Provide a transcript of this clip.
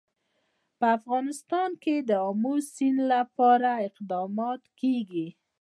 په افغانستان کې د آمو سیند لپاره اقدامات کېږي.